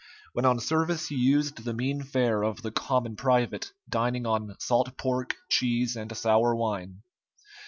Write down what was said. When on service he used the mean fare of the common private, dining on salt pork, cheese, and sour wine.